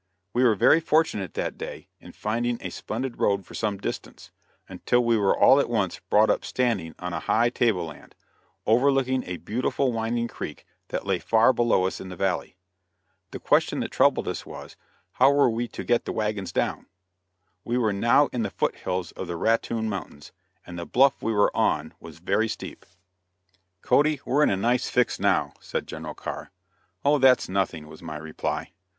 We were very fortunate that day in finding a splendid road for some distance, until we were all at once brought up standing on a high table land, overlooking a beautiful winding creek that lay far below us in the valley. The question that troubled us, was, how we were to get the wagons down. We were now in the foot hills of the Rattoon Mountains, and the bluff we were on was very steep. "Cody, we're in a nice fix now," said General Carr. "Oh, that's nothing," was my reply.